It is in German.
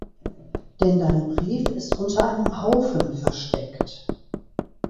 Denn dein Brief ist unter einem Haufen versteckt.